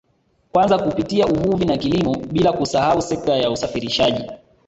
Kwanza kupitia uvuvi na kilimo bila kusahau sekta ya usafirishaji